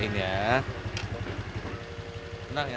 selamat malam ya